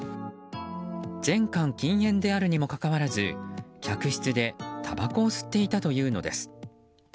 全館禁煙であるにもかかわらず客室でたばこを吸っていたというのです。